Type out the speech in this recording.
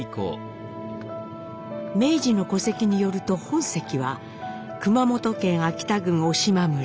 明治の戸籍によると本籍は熊本県飽田郡小島村。